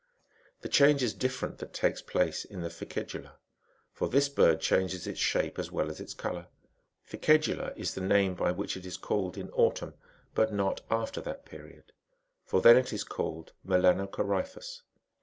The change is different that takes place in the ficedula,^ for this bird changes its shape as well as its colour. *' Fice dula" is the name by which it is called in autumn, but not after that period ; for then it is called " melancoryphus.